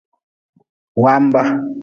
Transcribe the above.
Wamba.